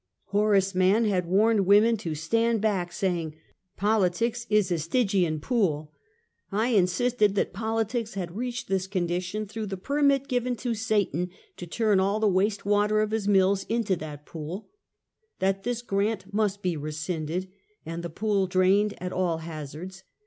Horace Mann had warned women to stand back, saying: " Politics is a stygian Platforms. 215 pool." I insisted that politics had reached this condi tion through the permit given to Satan to turn all the waste water of his mills into that pool; that this grant must be rescinded and the pool drained at all hazards.